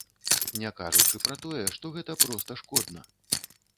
Не кажучы пра тое, што гэта проста шкодна.